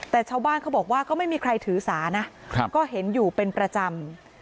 แต่ชาวบ้านเขาบอกว่าก็ไม่มีใครถือสานะก็เห็นอยู่เป็นประจำ